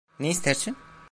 Ne istersin?